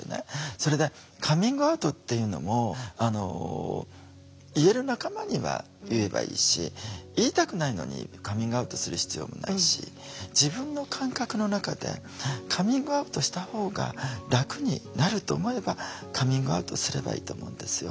それでカミングアウトっていうのも言える仲間には言えばいいし言いたくないのにカミングアウトする必要もないし自分の感覚の中でカミングアウトしたほうが楽になると思えばカミングアウトすればいいと思うんですよ。